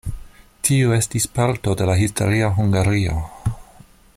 Tiu estis parto de la historia Hungario.